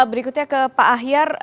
berikutnya ke pak ahyar